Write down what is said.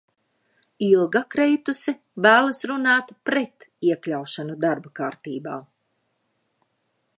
"Ilga Kreituse vēlas runāt "pret" iekļaušanu darba kārtībā."